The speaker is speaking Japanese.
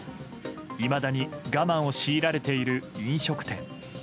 いまだに我慢を強いられている飲食店。